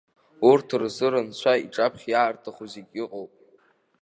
Урҭ рзы рынцәа иҿаԥхьа иаарҭаху зегьы ыҟоуп.